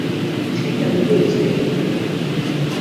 Çkimden uǩuitzǩeri?